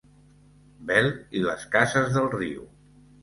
Bel i les Cases del Riu.